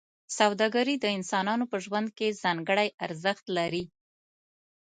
سوداګري د انسانانو په ژوند کې ځانګړی ارزښت لري.